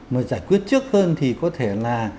mà giải quyết trước hơn thì có thể là